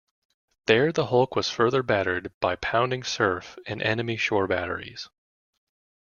There the hulk was further battered by pounding surf and enemy shore batteries.